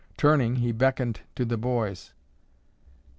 Turning, he beckoned to the boys.